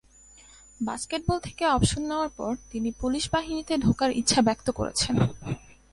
Basketball থেকে অবসর নেয়ার পর তিনি পুলিশ বাহিনীতে ঢোকার ইচ্ছা ব্যক্ত করেছেন।